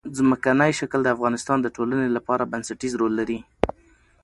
ځمکنی شکل د افغانستان د ټولنې لپاره بنسټيز رول لري.